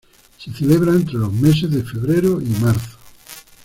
Se celebra entre los meses de febrero y marzo.